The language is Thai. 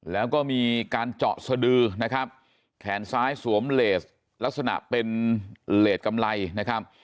แล้วก็มีการเจาะสดือนะครับแขนซ้ายสวมเลสลักษณะเป็นเลสกำไรนะครับ